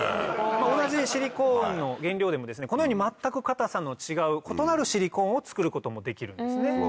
同じシリコーンの原料でもこのように全く硬さの違う異なるシリコーンを作ることもできるんですね。